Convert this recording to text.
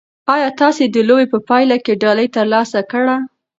ایا تاسي د لوبې په پایله کې ډالۍ ترلاسه کړه؟